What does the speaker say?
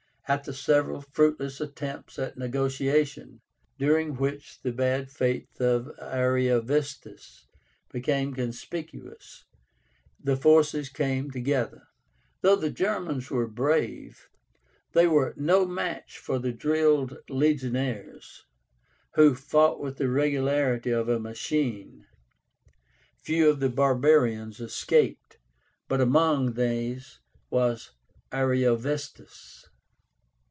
After several fruitless attempts at negotiation, during which the bad faith of Ariovistus became conspicuous, the forces came together. Though the Germans were brave, they were no match for the drilled legionaries, who fought with the regularity of a machine. Few of the barbarians escaped, but among these was Ariovistus.